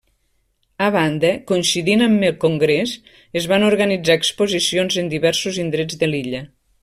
A banda, coincidint amb el congrés, es van organitzar exposicions en diversos indrets de l'illa.